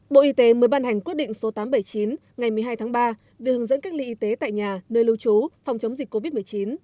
bộ y tế mới ban hành quyết định số tám trăm bảy mươi chín ngày một mươi hai tháng ba về hướng dẫn cách ly y tế tại nhà nơi lưu trú phòng chống dịch covid một mươi chín